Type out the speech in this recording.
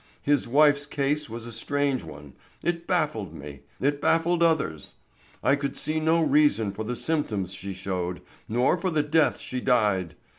His wife's case was a strange one. It baffled me; it baffled others. I could see no reason for the symptoms she showed, nor for the death she died.